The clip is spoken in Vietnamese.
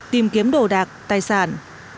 tìm kiếm đồ đạc tài sản